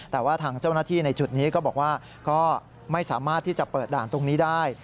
แต่ว่าทางเจ้าหน้าที่ในจุดนี้ก็บอกว่าก็ไม่สามารถที่จะเปิดด่านตรงนี้ได้